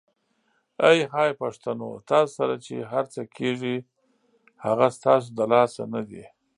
آی های پښتنو ! تاسو سره چې هرڅه کیږي هغه ستاسو د لاسه ندي؟!